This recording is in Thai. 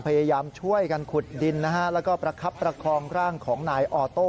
พยายามช่วยกันขุดดินนะฮะแล้วก็ประคับประคองร่างของนายออโต้